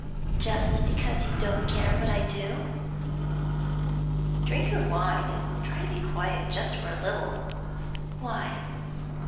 'Just because you don't care what I do?' 'Drink your wine and try to be quiet just for a little.' 'Why?'